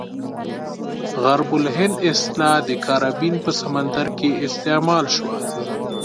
غرب الهند اصطلاح د کاربین په سمندرګي کې استعمال شوه.